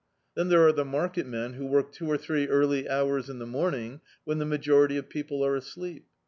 Then there are the market men who work two or three early hours in the morning, when the majority of people are asleep.